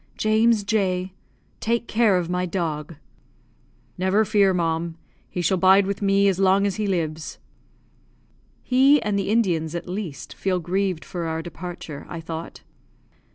"James J , take care of my dog." "Never fear, ma'am, he shall bide with me as long as he lives." "He and the Indians at least feel grieved for our departure," I thought.